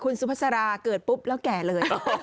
คุณสุภาษาราเกิดปุ๊บแล้วแก่เลย